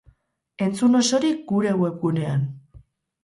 Entzun osorik gure webgunean.